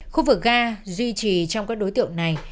khu vực ga duy trì trong các đối tượng này